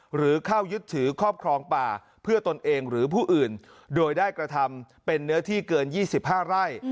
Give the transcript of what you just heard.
หรือเข้ายึดถือครอบครองป่าเพื่อตนเองหรือผู้อื่นโดยได้กระทำเป็นเนื้อที่เกิน๒๕ไร่